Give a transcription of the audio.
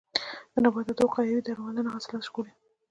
د نباتاتو وقایوي درملنه حاصلات ژغوري.